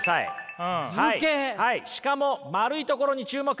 しかも丸いところに注目！